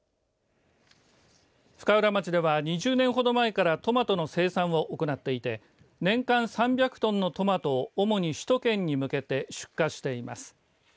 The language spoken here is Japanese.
深浦町では２０年ほど前からトマトの生産を行っていて年間３００トンのトマトを主に首都圏に向けて出荷しています。